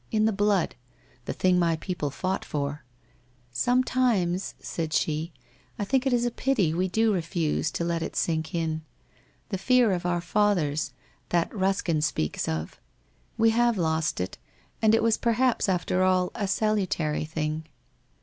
In the blood. The thing my people fought for '* Sometimes/ said she, ' I think it is a pity we do refuse to let it sink in. The Fear of our Fathers, that Ruskin speaks of— we have lost it, and it was perhaps after all a salutary thing